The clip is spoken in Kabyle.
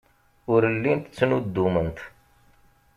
Ur llint ttnuddument.